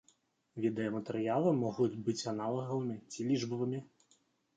Відэаматэрыялы могуць быць аналагавымі ці лічбавымі.